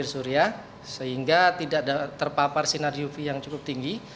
sehingga tidak terpapar sinar uv yang cukup tinggi